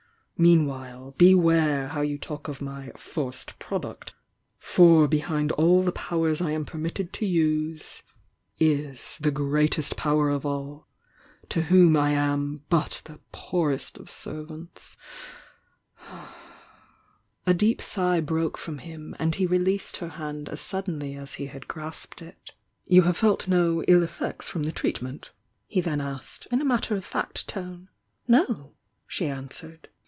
Meanwhile, beware how you talk of my 'forced product'— for behind all the powers I am permitted THE YOUXG DIANA 258 to use is the Greatest Power of all, to Whom I am but the poorest of servants!" A deep sigh broke from him and he released her hand as suddenly as he had grasped it. "You have felt no ill effects from the treatment?" he then asked, in a matter of fact tone. "No," she answered.